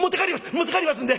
持って帰りますんで。